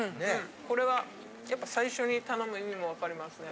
これはやっぱ最初に頼む意味も分かりますね。